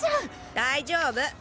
大丈夫。